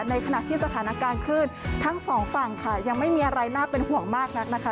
ในขณะที่สถานการณ์คลื่นทั้งสองฝั่งค่ะยังไม่มีอะไรน่าเป็นห่วงมากนักนะคะ